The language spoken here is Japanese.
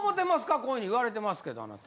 こういうふうに言われてますけどあなた。